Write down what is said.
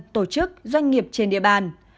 tổ chức doanh nghiệp trên địa bàn